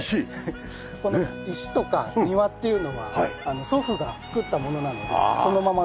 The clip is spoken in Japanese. この石とか庭っていうのは祖父が造ったものなのでそのまま残して。